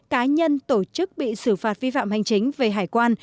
cá nhân tổ chức bị xử phạt vi phạm hành chính về hải quan